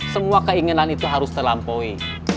semua keinginan itu harus terlampaui